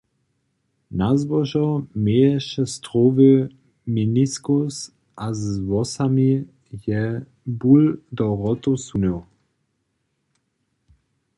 Na zbožo měješe strowy meniskus a z włosami je bul do wrotow sunył.